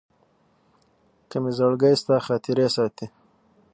که مي زړګي ستا خاطرې ساتي